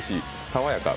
「爽やか」